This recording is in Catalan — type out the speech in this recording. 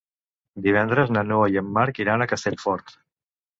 Divendres na Noa i en Marc iran a Castellfort.